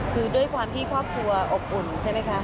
คือด้วยความที่ครอบครัวอบอุ่นใช่ไหมคะ